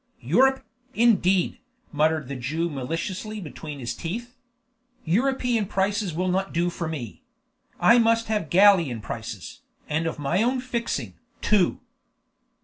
"Europe, indeed!" muttered the Jew maliciously between his teeth. "European prices will not do for me. I must have Gallian prices and of my own fixing, too!"